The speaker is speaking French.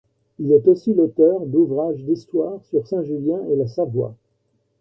Il est aussi l'auteur d'ouvrages d'histoire sur Saint-Julien et la Savoie.